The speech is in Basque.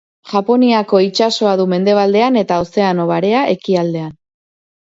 Japoniako itsasoa du mendebalean eta Ozeano Barea ekialdean.